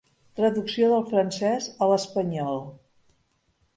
Traducció del francès a l'espanyol.